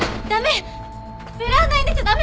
駄目！